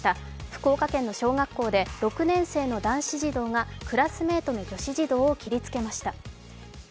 福岡県の小学校で６年生の男子児童がクラスメートの女子児童を切りつけました。